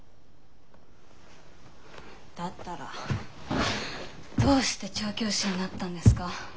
だったらどうして調教師になったんですか？